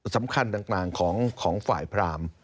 สำคัญต่างของฝ่ายพราม